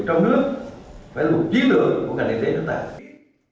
trong nước phải là một kỹ lượng của cả đại dịch đất tài